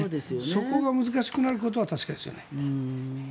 そこが難しくなることは確かですね。